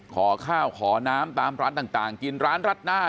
ขอข้าวขอน้ำตามร้านต่างกินร้านรัดหน้า